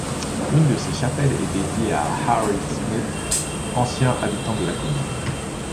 Une de ses chapelles est dédiée à Harry Smith, ancien habitant de la commune.